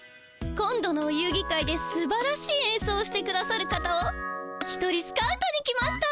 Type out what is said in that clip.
今度のお遊ぎ会ですばらしいえんそうをしてくださる方を１人スカウトに来ました。